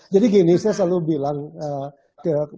jadi gini saya selalu bilang